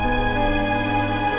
aku pengen hidup